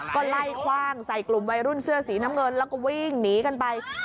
ก็ไล่คว่างใส่กลุ่มวัยรุ่นเสื้อสีน้ำเงินแล้วก็วิ่งหนีกันไป